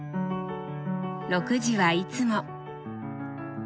６時はいつも。